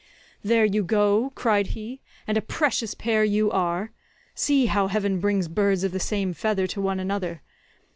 "There you go," cried he, "and a precious pair you are. See how heaven brings birds of the same feather to one another.